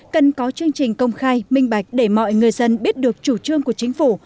cần có chương trình công khai minh bạch để mọi người dân biết được chủ trương của chính phủ